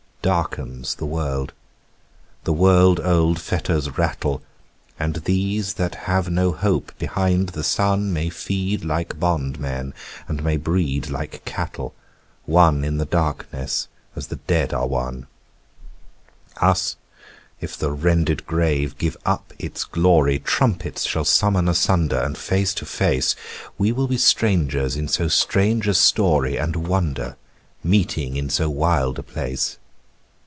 Darkens the world: the world old fetters rattle; And these that have no hope behind the sun May feed like bondmen and may breed like cattle, One in the darkness as the dead are one; Us if the rended grave give up its glory Trumpets shall summon asunder and face to face: We will be strangers in so strange a story And wonder, meeting in so wild a place.